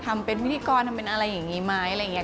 ทำเป็นพิธีกรทำเป็นอะไรอย่างนี้ไหมอะไรอย่างนี้